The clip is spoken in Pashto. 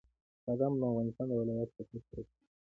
بادام د افغانستان د ولایاتو په کچه توپیر لري.